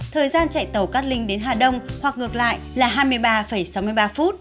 thời gian chạy tàu cát linh đến hà đông hoặc ngược lại là hai mươi ba sáu mươi ba phút